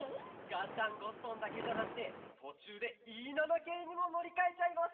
「ガッタン＆ゴットン」だけじゃなくてとちゅうで「Ｅ７系」にものりかえちゃいます！